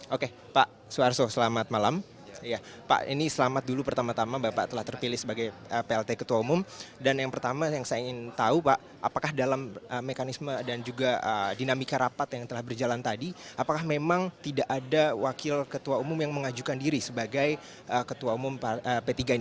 oke pak suharto selamat malam pak ini selamat dulu pertama tama bapak telah terpilih sebagai plt ketua umum dan yang pertama yang saya ingin tahu pak apakah dalam mekanisme dan juga dinamika rapat yang telah berjalan tadi apakah memang tidak ada wakil ketua umum yang mengajukan diri sebagai ketua umum p tiga ini